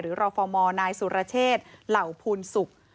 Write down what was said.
หรือรฟมนายสุรเชษเหล่าพูนศุกร์